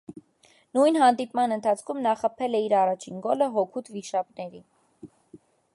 Նույն հանդիպման ընթացքում նա խփել է իր առաջին գոլը հօգուտ «վիշապների»։